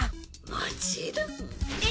もちろん。